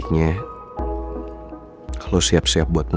siapa luuesto tak ambil makin buruk dirimu